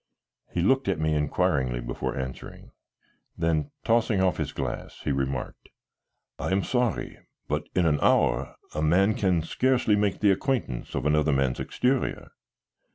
He looked at me inquiringly before answering, then tossing off his glass, he remarked: "I am sorry, but in an hour a man can scarcely make the acquaintance of another man's exterior."